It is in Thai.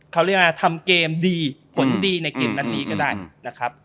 เขาเรียกว่าทำเกมดีผลดีในเกมนัดนี้ก็ได้นะครับ